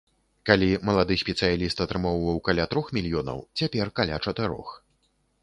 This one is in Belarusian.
Калі малады спецыяліст атрымоўваў каля трох мільёнаў, цяпер каля чатырох.